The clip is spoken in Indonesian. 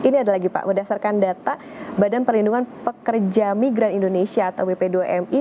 ini ada lagi pak berdasarkan data badan perlindungan pekerja migran indonesia atau bp dua mi